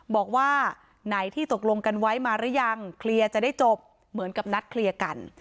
บอกว่าไหนที่ตกลงกันไว้มาหรือยังเคลียร์จะได้จบเหมือนกับนัดเคลียร์กัน